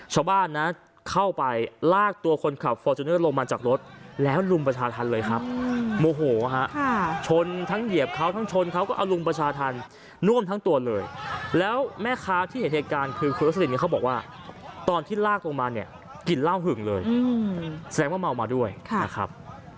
ชาวบ้านนะเข้าไปลากตัวคนขับฟอร์จูเนอร์ลงมาจากรถแล้วลุมประชาธรรมเลยครับโมโหฮะชนทั้งเหยียบเขาทั้งชนเขาก็เอาลุมประชาธรรมน่วมทั้งตัวเลยแล้วแม่ค้าที่เห็นเหตุการณ์คือคุณรัสลินเนี่ยเขาบอกว่าตอนที่ลากลงมาเนี่ยกินเหล้าหึงเลยแสดงว่าเมามาด้วยนะครับ